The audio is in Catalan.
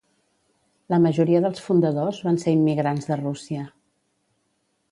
La majoria dels fundadors van ser immigrants de Rússia.